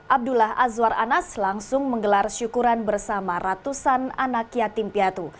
abdullah azwar anas langsung menggelar syukuran bersama ratusan anak yatim piatu